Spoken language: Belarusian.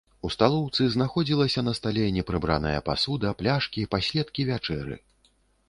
У сталоўцы знаходзілася на стале непрыбраная пасуда, пляшкі, паследкі вячэры.